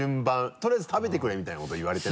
「とりあえず食べてくれ」みたいなことを言われてね。